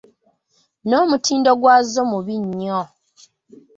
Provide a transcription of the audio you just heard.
N’omutindo gwazo mubi nnyo.